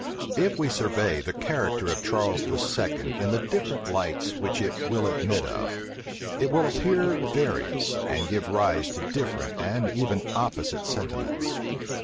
If we survey the character of Charles II. in the different lights which it will admit of, it will appear various, and give rise to different and even opposite sentiments.